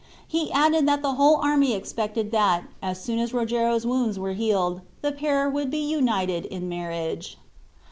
He added that the whole army expected that, as soon as Rogero's wounds were healed, the pair would be united in marriage.